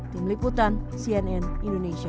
tim liputan cnn indonesia